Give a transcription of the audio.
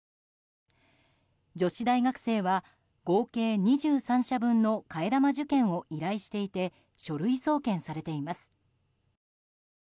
女子大学生は合計２３社分の替え玉受験を依頼していて書類送検されています。